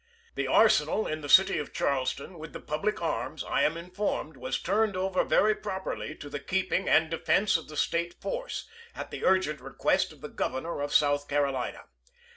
The arsenal, in the city of Charleston, with the public arms, I am informed, was turned over very properly to the keeping and defense of a State force, at the urgent request of the Governor of South Carolina.